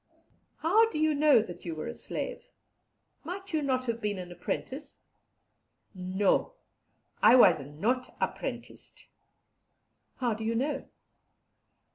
"How do you know that you were a slave? Might you not have been an apprentice? No, I was not apprenticed. "How do you know?